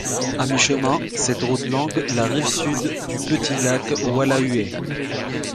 À mi-chemin, cette route longe la rive sud du petit lac Huala Hué.